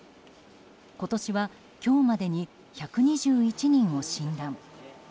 今年は今日までに１２１人を診断。